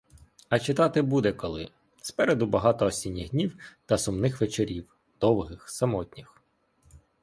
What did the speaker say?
А читати буде коли: спереду багато осінніх днів та сумних вечорів, довгих, самотніх.